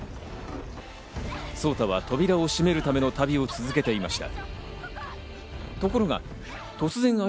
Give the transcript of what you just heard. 草太は扉を閉めるための旅を続けていました。